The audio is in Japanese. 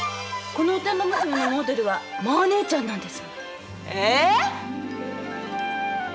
このおてんば娘のモデルはマー姉ちゃんなんです。え！？